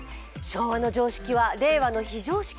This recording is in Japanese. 昭和の常識は令和の非常識？